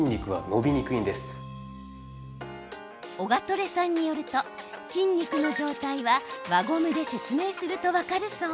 オガトレさんによると筋肉の状態は輪ゴムで説明すると分かるそう。